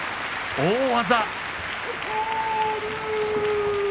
大技。